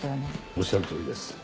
おっしゃるとおりです。